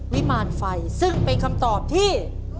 วิมารไฟซึ่งเป็นคำตอบที่